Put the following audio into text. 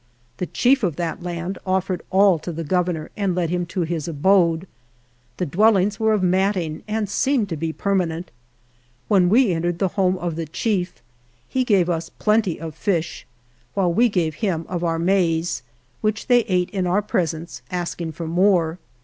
The chief of that land offered all to the Governor and led him to his abode. The dwellings were of matting and seemed to be perma nent. When we entered the home of the chief he gave us plenty of fish, while we gave him of our maize, which they ate in our presence, asking for more.